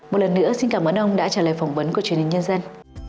một lần nữa xin cảm ơn ông đã trả lời phỏng vấn của truyền hình nhân dân